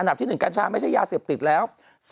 อันดับที่๑กัญชาไม่ใช่ยาเสียบติดแล้ว